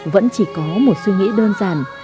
vẫn chỉ có một suy nghĩ đơn giản